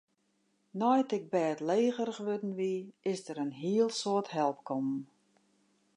Nei't ik bêdlegerich wurden wie, is der in hiel soad help kommen.